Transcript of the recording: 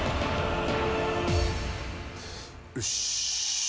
よし！